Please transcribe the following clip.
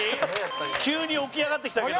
急に起き上がってきたけど。